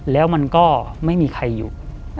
แล้วมันก็ไม่มีใครอยู่